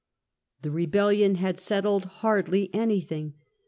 The Rebellion had settled hardly anything.